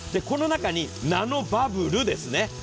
この中にナノバブルですね。